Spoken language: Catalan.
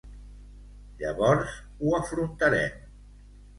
Llavors ho afrontarem.